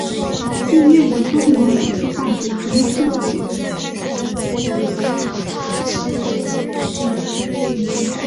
毕业于多摩美术大学平面设计系。